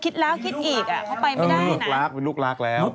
ถ้าใครเป็นเมืองนอกทีหนึ่งก็คิดแล้วคิดอีก